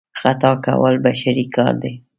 خطا کول بشري کار دی.